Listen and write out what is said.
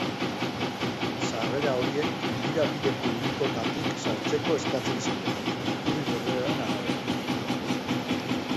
Sarrera horiek mendira bide publikotatik sartzeko eskatzen ziren, iturri berberaren arabera.